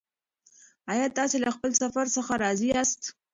ایا تاسې له خپل سفر څخه راضي یاست؟